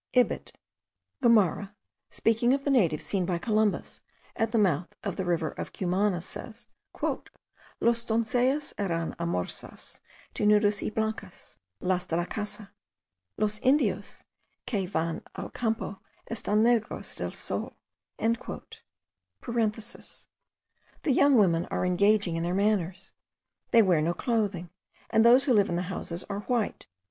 Ibid. Gomara, speaking of the natives seen by Columbus at the mouth of the river of Cumana, says: "Las donzellas eran amorosas, desnudas y blancas (las de la casa); los Indios que van al campo estan negros del sol." (The young women are engaging in their manners: they wear no clothing, and those who live in the houses ARE WHITE.